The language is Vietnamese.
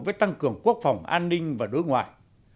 với tăng cường quốc phòng an ninh và đối ngoại